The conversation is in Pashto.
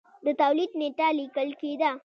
د تولید نېټه لیکل کېده.